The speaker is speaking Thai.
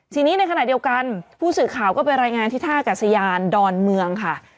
ทีนี้ในขณะเดียวกันผู้สื่อข่าวก็ไปรายงานที่ท่ากัศยานดอนเมืองค่ะ